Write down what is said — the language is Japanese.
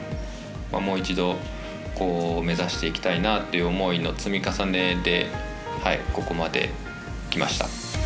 もう一度目指していきたいなという思いの積み重ねでここまできました。